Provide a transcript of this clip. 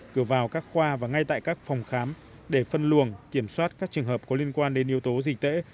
cửa vào các khoa và ngay tại các phòng khám để phân luồng kiểm soát các trường hợp có liên quan đến yếu tố dịch tễ